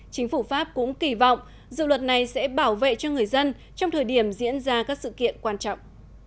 chính phủ pháp cũng kỳ vọng dự luật này sẽ bảo vệ cho người dân trong thời điểm diễn ra các sự kiện quan trọng